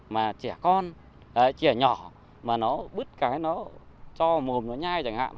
mà trẻ con trẻ nhỏ mà nó bứt cái nó cho mồm nó nhai chẳng hạn